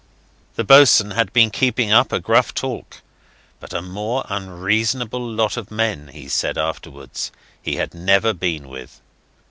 The boatswain had been keeping up a gruff talk, but a more unreasonable lot of men, he said afterwards, he had never been with.